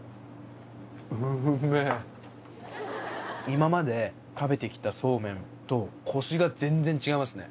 今まで食べて来たそうめんとコシが全然違いますね。